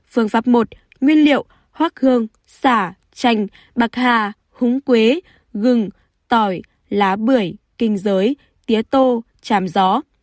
phương pháp một nguyên liệu hoác hương xà chanh bạc hà húng quế gừng tỏi lá bưởi kinh giới tía tô chàm gió